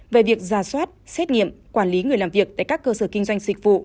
về việc ra soát xét nghiệm quản lý người làm việc tại các cơ sở kinh doanh dịch vụ